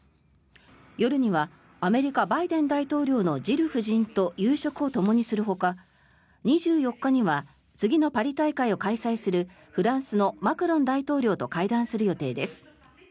夜には、アメリカバイデン大統領のジル夫人と夕食をともにするほか２４日には次のパリ大会を開催するフランスのマクロン大統領と会談する予定です。